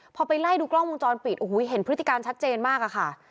พอไปไล่ดูกล้องวงจรปิดโอ้โหเห็นพฤติการชัดเจนมากอะค่ะ